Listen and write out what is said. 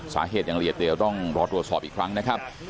สาเหตุอย่างละเอียดเดี๋ยวต้องรอตรวจสอบอีกครั้งนะครับ